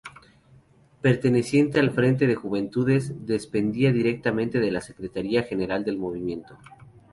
Perteneciente al Frente de Juventudes, dependía directamente de la Secretaría General del Movimiento.